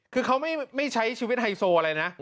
คือเขาไม่ใช้ชีวิตไฮโซอะไรนะ